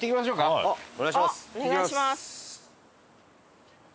お願いします。